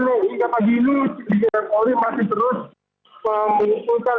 lapas kelas satu tangerang